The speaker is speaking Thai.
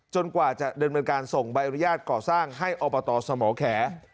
กว่าจะดำเนินการส่งใบอนุญาตก่อสร้างให้อบตสมแข